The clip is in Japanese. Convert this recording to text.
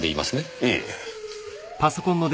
ええ。